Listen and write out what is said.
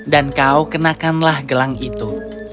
dan kau kenakanlah gelang itu